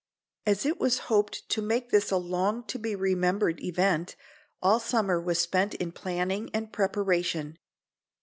As it was hoped to make this a long to be remembered event, all summer was spent in planning and preparation.